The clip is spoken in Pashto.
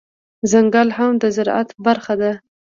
ځنګل هم د زرعت برخه ده